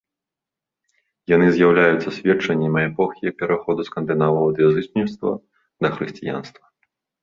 Яны з'яўляюцца сведчаннямі эпохі пераходу скандынаваў ад язычніцтва да хрысціянства.